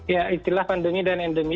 ya istilah pandemi dan endemi